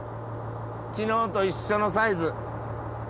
昨日と一緒のサイズ。